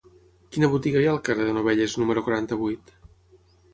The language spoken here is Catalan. Quina botiga hi ha al carrer de Novelles número quaranta-vuit?